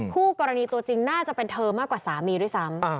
คู่กรณีตัวจริงน่าจะเป็นเธอมากกว่าสามีด้วยซ้ำ